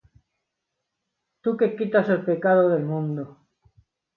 tú que quitas el pecado del mundo,